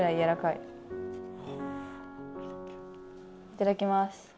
いただきます。